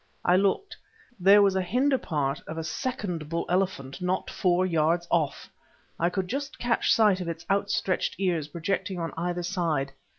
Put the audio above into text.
I looked: there was the hinder part of a second bull elephant not four yards off. I could just catch sight of its outstretched ears projecting on either side.